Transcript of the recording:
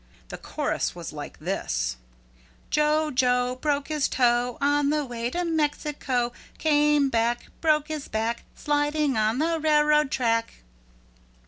The chorus was like this: Joe, Joe, broke his toe, On the way to Mexico. Came back, broke his back, Sliding on the railroad track.